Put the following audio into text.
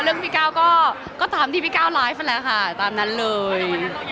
พี่ก้าวก็ตามที่พี่ก้าวไลฟ์แล้วค่ะตามนั้นเลย